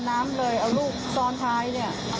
แล้วก็ไม่พบ